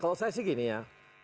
kalau saya sih gini ya